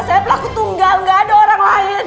saya pelaku tunggal gak ada orang lain